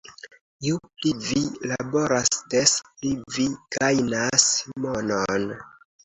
Ju pli vi laboras, des pli vi gajnas monon